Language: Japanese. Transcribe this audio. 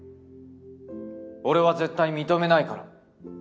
俺は絶対認めないから。